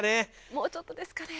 もうちょっとですかね。